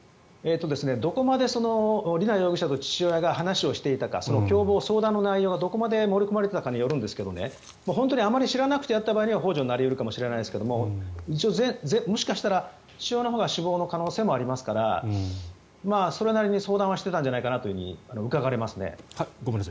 どこまで瑠奈容疑者と父親が話をしていたか共謀、相談の内容がどこまで盛り込まれていたかによりますが本当にあまり知らなくてやった場合にはほう助になり得るかもしれませんが一応もしかしたら、父親のほうが首謀の可能性もありますからそれなりに相談はしていたんじゃないかとうかがわれますね。